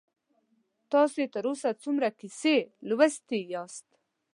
تاسې تر اوسه څومره کیسې لوستي یاست؟